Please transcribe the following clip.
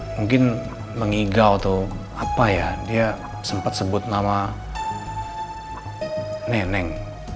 mungkin mengigau atau apa ya dia sempat sebut nama neneng